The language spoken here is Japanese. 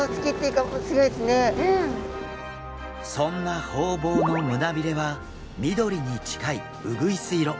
そんなホウボウの胸びれは緑に近いうぐいす色。